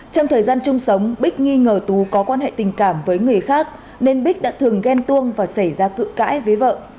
trong thời gian chung sống bích nghi ngờ tú có quan hệ tình cảm với người khác nên bích đã thường ghen tuông và xảy ra cự cãi với vợ